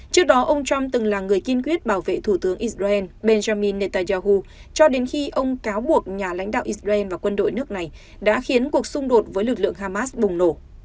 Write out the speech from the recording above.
trước đó ông trump từng là người kiên quyết bảo vệ thủ tướng israel benjamin netanyahu cho đến khi ông cáo buộc nhà lãnh đạo israel và quân đội nước này đã khiến cuộc xung đột với lực lượng hamas bùng nổ